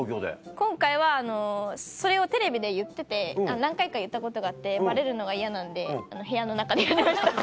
今回はそれをテレビで言ってて何回か言ったことがあってバレるのが嫌なので部屋の中でやりました。